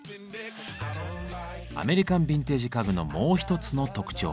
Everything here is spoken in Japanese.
アメリカンビンテージ家具のもう一つの特徴。